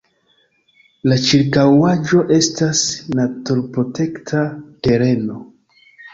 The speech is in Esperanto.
La ĉirkaŭaĵo estas naturprotekta tereno.